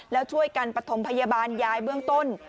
แล้วช่วยกันปฐมพยาบาลยายเบื้องต้น